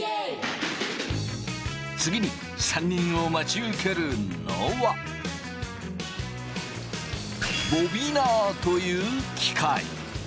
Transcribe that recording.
次に３人を待ち受けるのはボビナーという機械。